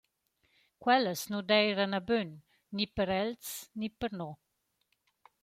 Quellas nu d’eiran a bön ni per els ni per no.